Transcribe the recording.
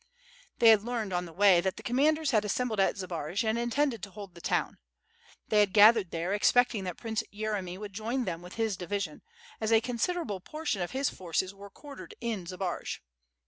They had learned on the way that the fcommanders had assembled at Zbaraj and intended to hold the town. They had gathered there expecting that Prince Yeremy would join them with his division, as a considerable portion of his forces were quartered in Zbaraj.